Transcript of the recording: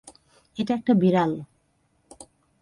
এটা একটা বিড়াল।